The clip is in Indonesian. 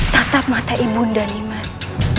tata mata ibu indah nimas